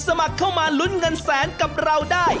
สมัครเข้ามาลุ้นเงินแสนกับเราได้